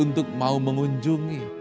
untuk mau mengunjungi